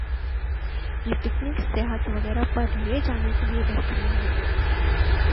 ۔ یہ پکنک ، سیاحت وغیرہ پرلے جانے کے لئے بہترین ہے۔